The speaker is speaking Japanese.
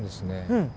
うん。